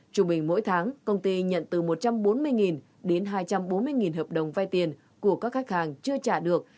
trung bình mỗi tháng công ty nhận từ một trăm bốn mươi đến hai trăm bốn mươi hợp đồng vai tiền của các khách hàng chưa trả được